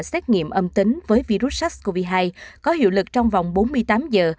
xét nghiệm âm tính với virus sars cov hai có hiệu lực trong vòng bốn mươi tám giờ